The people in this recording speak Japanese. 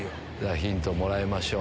ヒントもらいましょう。